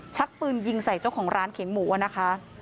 ชักปืนยิงใส่เจ้าของร้านเขียงหมูอะนะคะ